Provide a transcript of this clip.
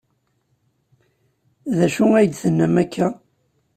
D acu ay d-tennam akka?